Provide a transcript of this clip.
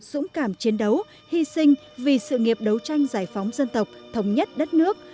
dũng cảm chiến đấu hy sinh vì sự nghiệp đấu tranh giải phóng dân tộc thống nhất đất nước